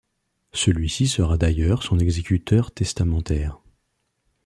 Celui-ci sera d'ailleurs son exécuteur testamentaire.